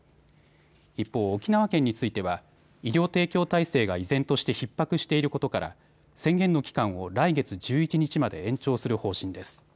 一方、沖縄県については医療提供体制が依然としてひっ迫していることから宣言の期間を来月１１日まで延長する方針です。